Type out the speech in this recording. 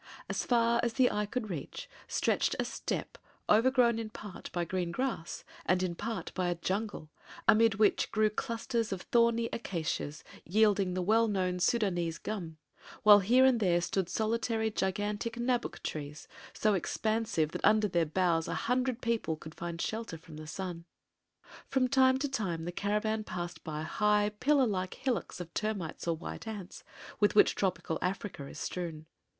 As far as the eye could reach stretched a steppe overgrown in part by green grass and in part by a jungle amid which grew clusters of thorny acacias, yielding the well known Sudânese gum; while here and there stood solitary gigantic nabbuk trees, so expansive that under their boughs a hundred people could find shelter from the sun. From time to time the caravan passed by high, pillar like hillocks of termites or white ants, with which tropical Africa is strewn.